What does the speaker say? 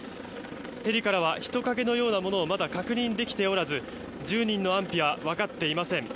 ヘリからは人影のようなものをまだ確認できておらず１０人の安否は分かっていません。